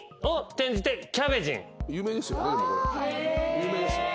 有名ですよね。